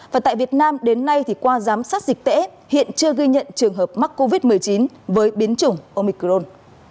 và tại việt nam đến nay thì qua giám sát dịch tễ hiện chưa ghi nhận trường hợp mắc covid một mươi chín với biến chủng omicron